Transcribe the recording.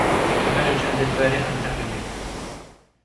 The marriage ended very unhappily.